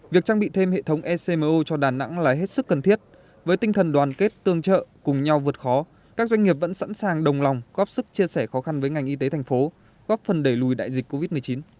việc trang bị thêm hệ thống ecmo cho đà nẵng là hết sức cần thiết với tinh thần đoàn kết tương trợ cùng nhau vượt khó các doanh nghiệp vẫn sẵn sàng đồng lòng góp sức chia sẻ khó khăn với ngành y tế thành phố góp phần đẩy lùi đại dịch covid một mươi chín